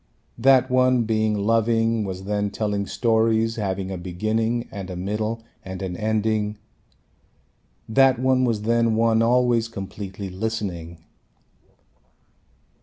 That one being loving was then telling stories having a beginning and a middle and an ending. That one was then one always completely listening.